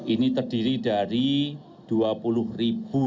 ini terdiri dari dua puluh ribu